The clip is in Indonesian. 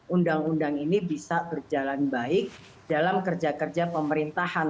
undang undang ini bisa berjalan baik dalam kerja kerja pemerintahan